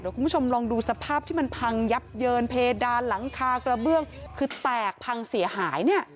คุณผู้ชมลองดูสภาพที่มันพังยับเยินเพดานหลังคากระเบื้องคือแตกพังเสียหายเนี่ย